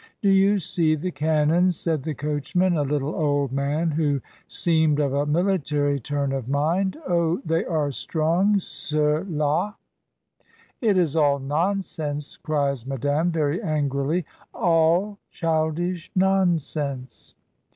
"Do you see the cannons?" said the coachman, a little old man, who seemed of a military turn of mind. "Oh, they are strong, ceux^d! "It is all nonsense," cries Madame, very angrily, "all childish nonsense."